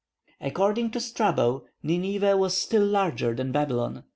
According to Strabo, Nineveh was still larger than Babylon.